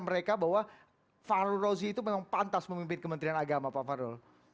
mereka bahwa fahrul rozi itu memang pantas memimpin kementerian agama pak farul